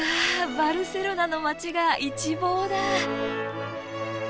バルセロナの街が一望だ！